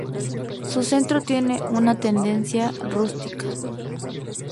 Su centro tiene una tendencia rústica.